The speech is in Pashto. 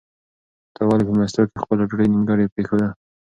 تا ولې په مېلمستیا کې خپله ډوډۍ نیمګړې پرېښوده؟